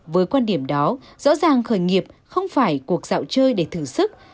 với quan điểm đó rõ ràng khởi nghiệp không phải cuộc dạo chơi để thử sức